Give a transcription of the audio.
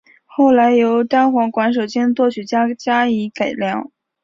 后来由单簧管手兼作曲家加以改良。